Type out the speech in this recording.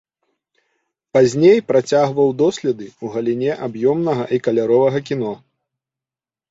Пазней працягваў доследы ў галіне аб'ёмнага і каляровага кіно.